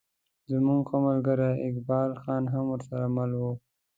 زموږ ښه ملګری اقبال خان هم ورسره مل و.